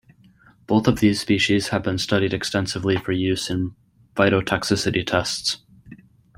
Both of these species have been studied extensively for use in phytotoxicity tests.